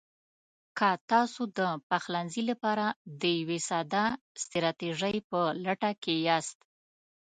که تاسو د پخلنځي لپاره د یوې ساده ستراتیژۍ په لټه کې یاست: